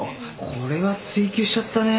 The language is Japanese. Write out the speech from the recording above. これは追求しちゃったね。